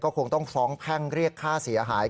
คงต้องฟ้องแพ่งเรียกค่าเสียหาย